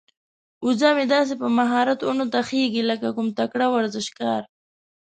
وزه مې داسې په مهارت ونو ته خيږي لکه کوم تکړه ورزشکار.